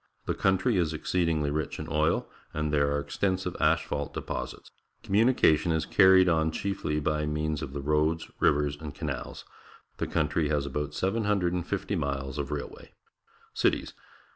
The country is exceedingly rich in oil, and there are extensive asphalt deposits. Communication is carried on chiefly by means of the roads, rivers, and canals. The country has about 750 miles of railway. Cities.